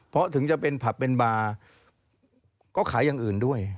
เพราะถึงจะเป็นผับเป็นบาร์ก็ขายอย่างอื่นด้วย